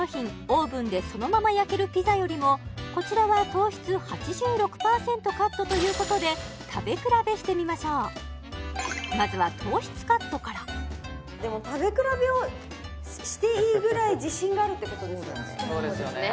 オーブンでそのまま焼けるピザよりもこちらは糖質８６％カットということで食べ比べしてみましょうまずは糖質カットからでも食べ比べをしていいぐらい自信があるってことですよね